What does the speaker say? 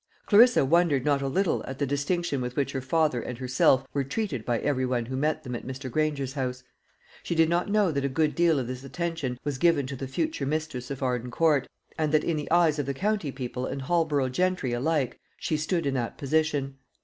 Clarissa wondered not a little at the distinction with which her father and herself were treated by every one who met them at Mr. Granger's house. She did not know that a good deal of this attention was given to the future mistress of Arden Court, and that, in the eyes of county people and Holborough gentry alike, she stood in that position.